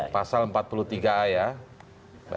pasal empat puluh tiga a ya